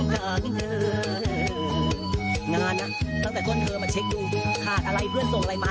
งานนะตั้งแต่ต้นเธอมาเช็คดูขาดอะไรเพื่อนส่งอะไรมา